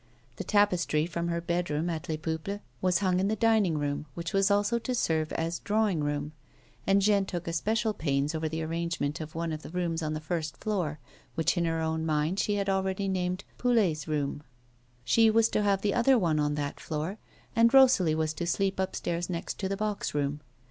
The tapestry from her bedroom at Les Peuples was hung in the dining room, which was also to serve as drawing room, and Jeanne took especial pains over the arrangement of one of the rooms on the first floor, which in her own mind she had already named '• Poulet's room;" she was to have the other one on that floor, and Rosalie was to sleep upstairs next to the box room.